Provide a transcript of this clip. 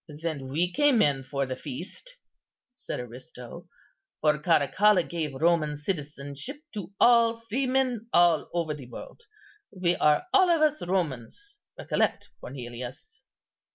"Then we came in for the feast," said Aristo; "for Caracalla gave Roman citizenship to all freemen all over the world. We are all of us Romans, recollect, Cornelius."